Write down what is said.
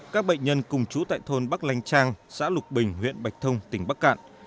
các bệnh nhân cùng chú tại thôn bắc lanh trang xã lục bình huyện bạch thông tỉnh bắc cạn